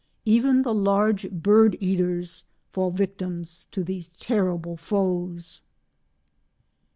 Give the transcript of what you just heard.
Even the large "bird eaters" fall victims to these terrible foes.